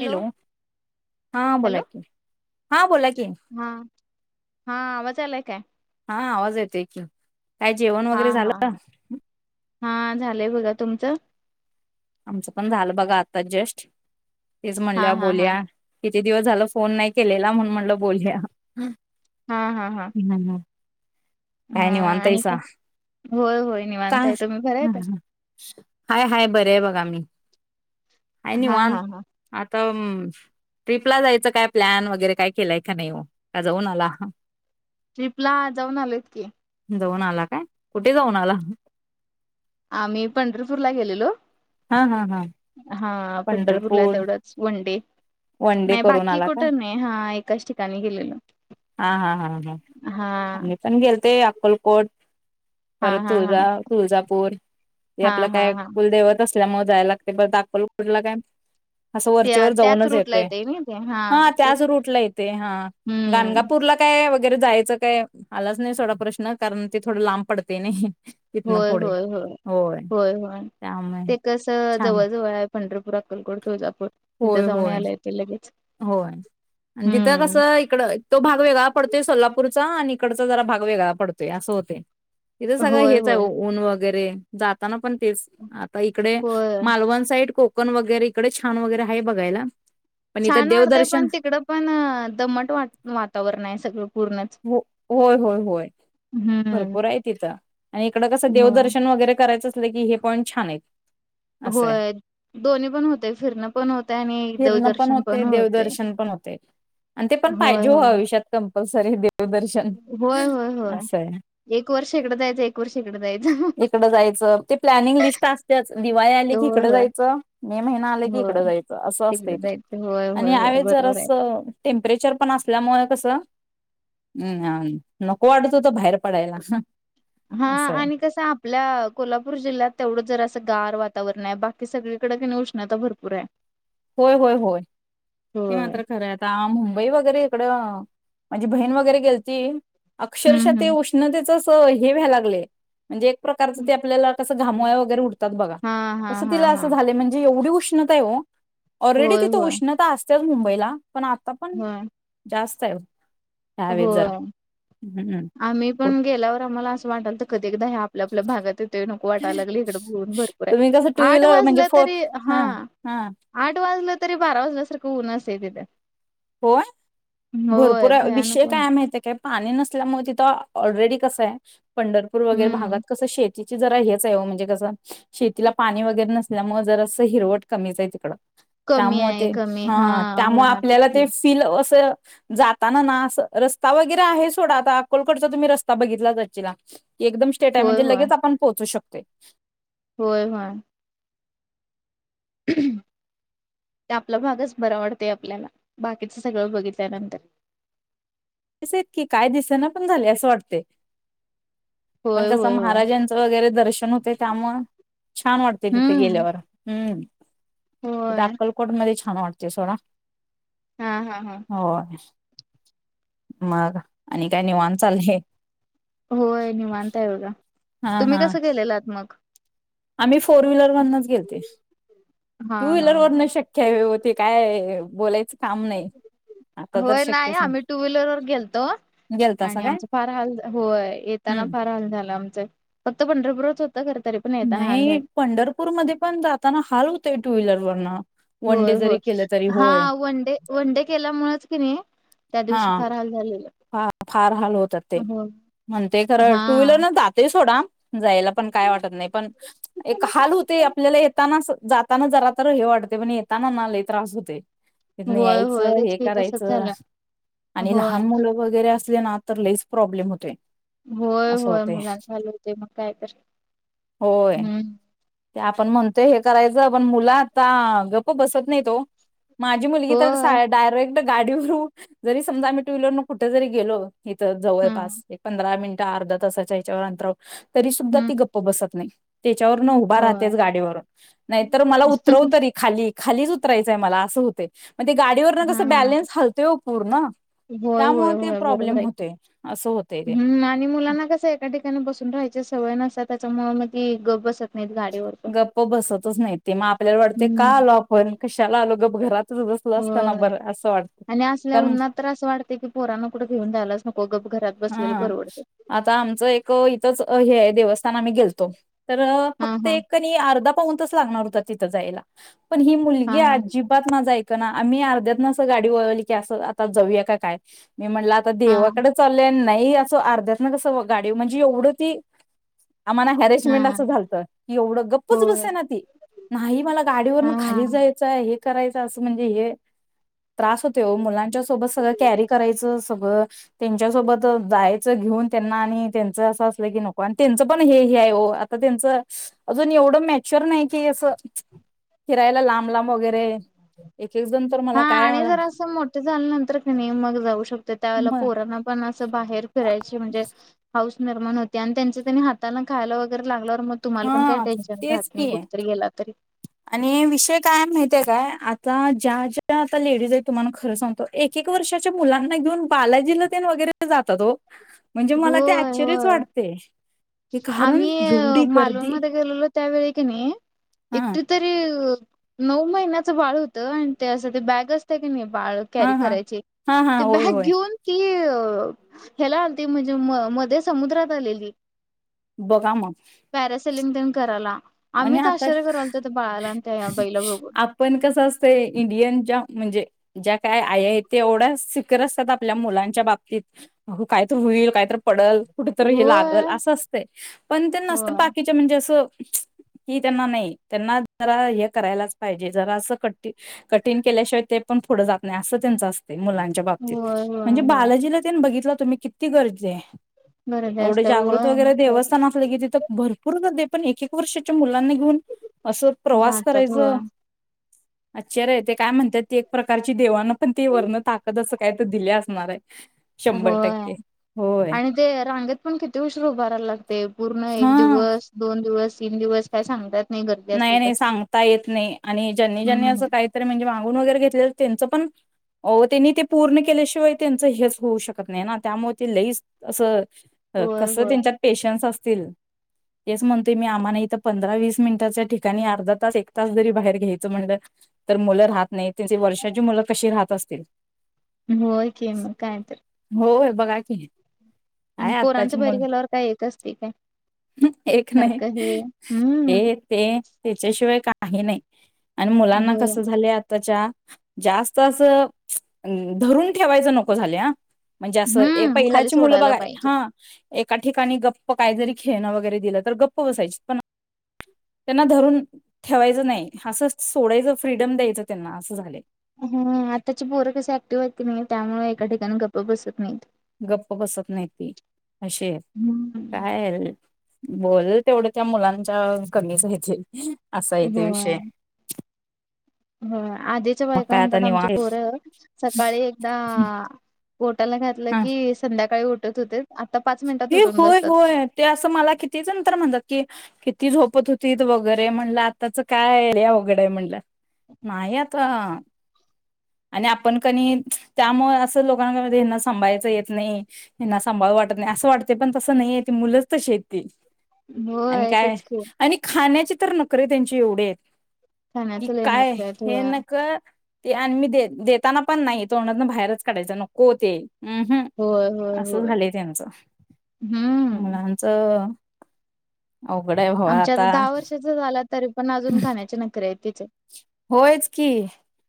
Hello हा hello बोला कि, हा बोला कि. हा हा आवाज यालाय काय? हा आवाज येतोय की. काय जेवण हा वगैरे हा हा झालं. हा झालंय बघा तुमचं? आमचं पण झालं बघा आता जस्ट. तेच हा म्हणल्या हा हा बोलया. किती दिवस झालं फोन नाही केलेला म्हणून म्हणलं बोलुया. हा हा हा ह काय निवांत आणि हायसा काय होय होय काय निवांताय तुम्ही बऱ्यातं हाय हाय बरे आहे बघा मी. हाय हा निवांन हा हा तर ट्रिपला जायचं काय प्लॅन वगैरे काय केलाय का नाही. ओ का जाऊन आला? ट्र्रीप ला जाऊन आलोयत की. जाऊन आला काय. कुठे जाऊन आला? आम्ही पंढरपूरला गेलेलो. हा हा हा हा पंढरपूरला पंढरपूर तेवढंच वनडे वन डे नाही करून बाकी आला काय कुठं नाही हा एकाच ठिकाणी गेलेलो हा हा हा हा. अकोलकोट. हा परत हा हा तुळजा तुळजापूर हे हा आपलं हा काय हा कुलदेवत असत. मजाला लागते ब दाखलो. पुरला काय असं त्या वरचेवर त्याच जाऊनच रूटला येतोय येतय ना ते हा ते त्याच रूट ला येते हा हम्म गणगापूरला काय वगैरे जायचं काय आलाच नाही सोडा प्रश्न कारण ते थोडं लांब पडतय नाही. तिथनं होय पुढे होय होय होय होय त्यामुळे ते कस छान जवळजवळ आहे. पंढरपुर, अकलकोट, तुळजा पुर तिथं होय जाऊण होय यायला येतय लगेच. होय आणि तिथं हम्म कसं इकड तो भाग वेगळा पडतोय सोलापूरचा हा निकडचा जरा भाग वेगळा पडतोय असं होतय. तिथे सगळं होय हेच आहे होय ऊन वगैरे जाता ना पण तेच आता इकडे होय मालवण साईड कोक कोकन वगैरे इकडे छान वगैरे आहे बघायला. पण इथं छान वाढतय देवदर्शन पण तिकडं पण दमट वात वातावरणाय सगळं. पूर्णच हो होय होय होय भरपूर हम्म आहे तिथं आणि इकडं कसं हो देवदर्शन वगैरे करायचं अस की हे पॉंट छानायत होय दोन्ही पण होतय फिरणं पण होतंय आणि फिरणं देवदर्शन होते पण होतेय देवदर्शन पण होते आणि [inaudible] होय होय [unintelligible] दर्शन होय होय होय असंय [inaudible] एक वर्ष इकडं जायचं एक वर्ष इकडं जायचं इकड जायचं ते प्लॅनिंग लिस्ट असतेच दिवाळी आली की होय इकडे होय जायचं मे महिना आले की इकड होय जायचं असं तिकडे असतंय ते जायचं होय आणि होय होय ह्यावेळेस जर बरोबर आहे असं टेम्परेचर पण असल्यामुळे कसं हम् नको वाटत होत बाहेर पडायला हा असं आहे आणि कस आपल्या कोल्हापूर जिल्ह्यात तेवढं जरा असं गार वातावरण आहे बाकी सगळीकडे कणी उष्णता भरपूर आहे. होय होय होय ते होय. मात्र खरं आता मुंबई वगैरे तकड म्हणझी बहीण वगैरे गेलती अक्षरशः हम्म ते हम् उष्णतेच हे व्हायला लागलय म्हणजे एक प्रकारचं ते आपल्याला कसं घामोळ्या वगैरे उठतात बघा हा हा तसं हा तिला हा असं झाले म्हणजे एवढी उष्णताय ओ ऑलरेडी होय तिथे होय उष्णता अस - चल मुंबईला पण आता पण होय. जास्त [unintelligible] जरा होय हम्म आम्ही पण गेल्यावर आम्हाला अस वाटाल तर क एकदा हया आपल्या आपल्या भागात येतोय, नको वाटायला लागली, इकड ऊून भरपूर आहे तुम्ही कसं टू आठ व्हीलर म्हणजे वाजलं फोर तरी हा हा आठ वाजलं. तरी बारा वाजल्यासारखं, ऊन असेल तिथे. होय होय भरपूर भयानक शे ऊन काय माहितीये काय. पाणी नसल्यामुळे तिथं ऑलरेडी कसं आहे. पंढरपूर वैगरे हम्म. भागात, कस शेत त्याची जरा हेच आहे म्हणजे, कसं शेतीला पाणी वगैरे नसल्यामुळे जर असं हिरवट कमीच आहे, तिकडं कमी त्यामुळे आहे ते कमी हा त्यामुळे हा तेच आपल्याला की ते फिल असं. जाता ना ना अस रस्ता वगैरे आहे सोडा आता अक्कलकोटचा तुम्ही रस्ता बघितलाच असचिला. एकदम स्टेट आहे, होय म्हजे होय लगेच आपण पोचू शकतो. ते होय होय ते आपला भागच बरावाडतय आपल्याला बाकीचं सगळं बघितल्यानंतर तस इत की काय, दिसांना पण झाले असं वाटते. पण होय कस होय होय महाराजांचं वगैरे दर्शन होतेय, त्यामुळे छान वाटते तिथे हम्म गेल्यावर हम्म तिथे होय अक्कलकोट मध्ये छान वाते सोड हा हा हा हो मग आणि काय निवाण चाललय. होय निवांत हाय बघा. तुम्ही कसं केलेलाट मग. आमही फोर व्हीलर मधनच गेलते. हा टू हा वहीलर वरण शक्य आहे. ती काय बोलायचं. काम नाही आता तर होय नाही, शक्यच आम्ही टू व्हीलर वर गेलतो, गेलतासा आणि काय? आमच फार हाल होय येताना हम्म. फार हाल झाल आमच फक्त पंढरपूरच होत. नाही पंढरपूरमध्ये पण जाताना, हाल होते टू व्हीलर पण. होय होय हा वनडे वन डे केल्यामुळेच की नाही, त्या दिवशी फार हाल झालेलं. फ फार हाल होतात, ते हो म्हणते खरं टू व्हीलर हा न जातेच. थोडा. जायला पण काय वाटत नाही, पण एक हाल होते आपल्याला येतानाचात ताना जरा तर हे वाटते पण येताना नाला त्रास होते. तथन होय होय यायचं तेच हे की तसच करायचं झालं आणि होय लहान मुलं वगैरे असले ना तर लईच प्रॉब्लेम होते. होय होय. मुलां चालू होते मग काय तर होय. हम्म ते आपण म्हणतोय हे करायचं पण मुलं आता गप्प बसत नाही तो माझी मुलगी तर होय डायरेक्ट गाडीवरर ज समजा टू व्हीलर कुठ जरी गेलो तिथं हा जवळपास एक पंधरा मिनट अर्धा तासाच्या याच्यावर अंतराव तरी सुुद्धा हम्म ती गप्प बसत नाही. त्याच्यावर न उभा होय राहतेच गाडीवरून नाहीतर, मला उतरव तरी खाली खालीच उतरायचंय मला असं होत. ते मण ते गाडीवर ना कसं हा बॅलन्स हालतोय पूर्ण हो होय त्यामुळे ते होय प्रॉब्लेम बरोबर् होतोय असं होतय ते. आणि मुलांना कस एका ठिकाणी बसून राहायच सवय नसता त्याच्या मु म गप बसत नाहीत गाडीवर पण गप्प बसतच नाही ते मग आपल्याला वाटते का हम्म आलो आपण कशाला आलो ग घरात असताना होय बर अस वाटत आणि असल्या कारण उन्हात तर असं वाटतंय की पोरांना कुठं घेऊन जायलाच नको गप घरात बसलेलं हा परवडतंय आता आमच एक इथच हे देवस्थान गेलो तर हा हा ते एकणी अर्ध पाहूनच लागणार होता तिथ जायला पण ही हा मुलगी हा अजिबात ना जाय आम्ही अर्ध्यात ना असं गाडी वळवली की असं आता जाऊया काय मी म्हटलं आता हा देवाकडे चालले नाही हे असं अर्ध्यात ना कसं गाडी म्हणजे एवढं ती आम्हाला हॅरेशमेंट हा असं झालतं एवढं गप्पच होय बसे ना ती नाही मला गाडीवरन हा खाली जायचं आहे करा अस म्हणजे त हो मुला त्याच्या सोबत सगळं कॅरी करायचं सगळं त्यांच्यासोबत जायच घेऊन त्यांना आणि त्यांच असं असलं की नको आणि त्यांचं पण हे हे आहे हो आता त्यांच अजून एवढं मॅच्युअर नाही कि अस फिरायला लांब लांब वगैरे एक एक जण तर हा मला काय आणि मला जर असं मोठे झाल्या नंतर क मग जाऊ शकते त्यावेळेला म पोरांना पण- बाहेर फिरायची म्हणजे पाऊस निर्माण होते आणि त्यांच्या त्यांनी हाताला खायला वगैरे लागलं. मग तुम्हाला पण काही हा टेन्शन तेच राहत नाही की कुठेतरी गेला तरी आणि विषय काय माहती आहे काय आता ज्या ज्या आता लेडीज आहेत तुम्हाला खरं सांगतो एक एक वर्षाच्या मुलांना घेऊन बालाजीला तेन वगैरे जातात हो म्हणजे मला ते होय आश्चर्यच होय वाटते हे कारण आम्ही एवढी मालवण गर्दी मध्ये गेलेलो त्यावेळी की नाही हा एकटे तरी नऊ महिन्याचं बाळ होतं आणि ते असं ते बॅग असत की नाही बाळ हा कॅरी हा करायची. हा हा ते होय बॅग होय घेऊन ती - अ ह्याला आलती म्हणजे म मध्ये समुद्रात आलेली बघा म सेलिंग तिलिंग कराला आणि आता त्या बाईला बघून. आपण कसं असतंय इंडियन ज्या म्हणजे ज्या काय आई आहेत ते एवढ्या सिकर असतात आपल्या मुलांच्या बाबतीत काय तर होईल कायतर पडल कुठेतरी हे लागल होय असं असत पण ते नसतं होय बाकीच्या म्हणजे असं मीच कि त्यांना नाही त्यांना जरा हे करायलाच पाहिजे जरा असं कठी कठीण केल्याशिवाय ते पण पुढं जात नाही असं त्यांच असत. मुलांच्या बाबतीत होय म्हणजे होय होय बालाजीला तेन बघितलं. तुम्ही किती गरजे आहे गर्दी एवढे असत्या जागृत होय मग वगैरे काय तर देवस्थान असले की तिथं भरपूर हो पण एक एक वर्ष- त्या मुलांना अस प्रवास जात्यात करायच. होय. आश्चर्य ए ते काय म्हणतात ते एक प्रकारची देवाांना पण ते वर्ण ताकद असं काय तर दिले असणार आहे शंभर होय टक्के होय आणि ते रांगेत पण किती उशर उभारायला लागते पूर्ण एक हा दिवस दोन दिवस- तीन दिवस काय सांगता येत - नाही नाही सांगता येत नाही आणि ज्यांनी ज्यांनी हम्म असं काहीतरी म्हणजे मागून वगैरे घेतलेलं त्यांचं पण- ओ त्यांनी ते पूर्ण केल्याशिवाय त्यांच हेच होऊ शकत नाही ना त्यामुळे ते लईच असं - होय कसं होय त्यांच्यात पेशन्स असत. तेच म्हणतोय मी आम्हा इथ पंधरा वीस मिनट ठिकाणी अर्धा तास एक तास जरी बाहेर घ्यायचं म्हणलं तर मुलं राहत नाही वर्षाची मुलं कशी राहत असतील. होय के म कायत होय बघा की आणि काय पोरांच आत्ताची बाहेर मुलं गेल्यावर काय येत असतय काय एक नाही. सारख हे हम्म. हे ते त्याच्याशिवाय काही नाही. आणि मुलांना होय कसं झालय आताच्या जास्त असं धरून ठेवायचं नको झाले ह म्हणजे असं ए हम्म खाली पहिलाची मुलं सोडायला बघाय पाहिजे. हां. एका ठिकाणी गप्प काय जरी खेळणं वगैरे दिलं तर गप्प बसायची पण त्यांना धरून ठेवायचं नाही असं सोडायचं फ्रीडम द्यायचं त्यांना असं झालय. हुम्म आताची बोरं कशी ऍक्टिव्ह आहेत कनी त्यामुळे एका ठिकाणी गप्प बसत नाहीत. गप्प बसत नाहीत ती. अशी हम्म. काय र बोलल तेवढ त्या मुलांच्या कमीच हाय ते. असय आहे ते विषय. व्ह. आधीच्या मग बायका काय आता म्हणतात आमचे निवांत पोरं सकाळी एकदाआं पोटाला घातलं की संध्याकाळी उट टत होते आ ये होय होय ते असं मला कितीजण नंतर म्हणतात की ती झोपत होतीत वगैरे म्हणलं आताच काय लय वगडय म्हणलं. मायी आता. आणि आपण कणी त्यामुळे असं लो [unintelligible] हेना सांभाळायचं येत नाही हेना सांभाळू वाटत नाही असं आणि होय काय तेच की आणि खाण्याची तर नके त्यांचे एवढेत. कि खाण्याच लय काय नखरे आहेत हे होय नक ते आणि मी देताना पण नाही तोंडातन बाहेरच काढायचं नको ते. अहू होय होय असं होय. झालंय त्यांचं हम्म मुलांचं अवघड हाय हो आमच्या आता. दहा वर्षाचा झाला तरी पण अजून खाण्याचे नकरे हायत. तेच. होयच की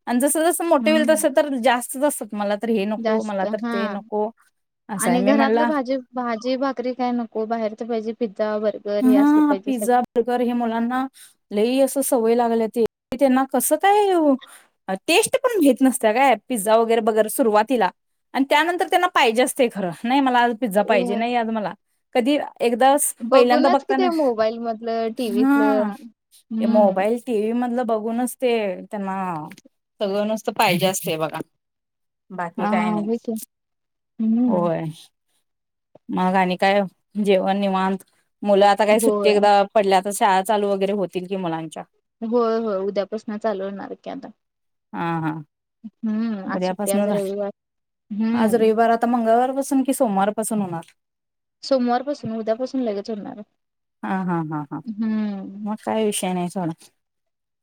आणि जस जस मोठे होईल तस हम्म तर जास्त [unintelligible] जास्त हां असं आहे आणि मी घरातलं म्हणला भाजी भाजी भाकरी काय नको बाहेरच पाहिजे. पिझ्झा बर्गर हे असलं हा पाहिजे सगळं. पिझ्झा बर्गर हे मुलांना लई अस तंव्हय लागल्या ते त्याना कसाकाय टेस्ट पण घेत नसत्या काय पिझा वगैरे बगर सुरवातीला आणि त्यानंतर त्यांना पाहिजे असते खरं नाही मला आज पिझ्झा पाहिजे होय. नाही आज मला कधी [unintelligible] एकदा पहिल्यन्दा बघूनच कि बगताना. ते मोबाईल मधलं टीव्हीतलं हं ते हम्म. मोबाईल टीव्ही मधलं बगूनच ते. त्यांना सगळं नुसतं पायजे असते बगा. बाकी हा काय नाही. होय की. हम्म होय. मग आणि काय जेवन निवांत. मुलं आता काही सुट्टी होय एकदा पडल्या तं शाळा चालू वैगरे होतील कीं मुलांच्या. होय हो. उद्यापसना चालू होनार कीं आता. हा. हा. हं आज सुट्टी. आज उद्यापासून रविवार. हं. सन कीं सोमवार पासून होनार? सोमवारपासून. उद्यापासून लगेच होणार हाय. हा, हा, हा, हा मग काय विषय नाही सोडा.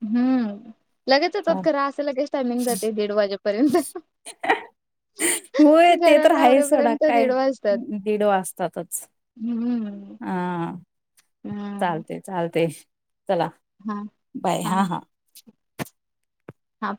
हम्म लगेच तात खरा असं लगेच [unintelligible] होय ते तर घरातलं आहे सोडा. आवरेपर्यंत काय दीड वाजतात दीड वाजतातच. हम्म हा. हा चालते. चालते. चला. हा बाय हा हा. हा.